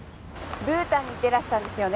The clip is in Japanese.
ブータンに行ってらしたんですよね？